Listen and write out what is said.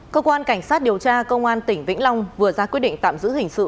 cơ quan cảnh sát điều tra công an tỉnh vĩnh long vừa ra quyết định tạm giữ hình sự